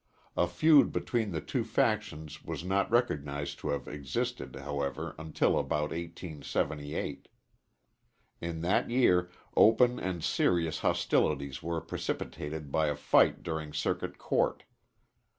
A feud between the two factions was not recognized to have existed, however, until about 1878. In that year open and serious hostilities were precipitated by a fight during Circuit Court.